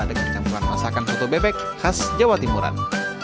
dengan campuran masakan foto bebek khas jawa timuran